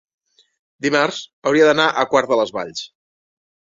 Dimarts hauria d'anar a Quart de les Valls.